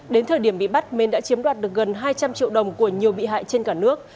đến thời điểm bị bắt minh đã chiếm đoạt được gần hai trăm linh triệu đồng của nhiều bị hại trên cả nước